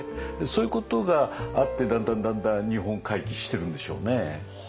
そういうことがあってだんだんだんだん日本回帰してるんでしょうね。